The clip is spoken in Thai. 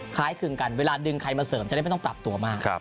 ค้ายถึงกันเวลาดึงไขมันเสริมจะได้ไม่ต้องปลากตัวมา